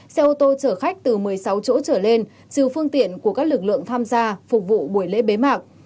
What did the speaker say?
xe ô tô chở khách từ một mươi sáu chỗ trở lên trừ phương tiện của các lực lượng tham gia phục vụ buổi lễ bế mạc